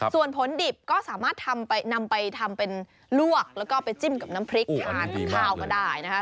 ส่วนผลดิบก็สามารถนำไปทำเป็นลวกแล้วก็ไปจิ้มกับน้ำพริกทานกับข้าวก็ได้นะคะ